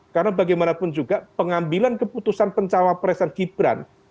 karena bagaimanapun juga pengambilan keputusan pencawa presiden gibran